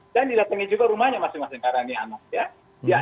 dan di datangnya juga rumahnya masing masing karena ini anaknya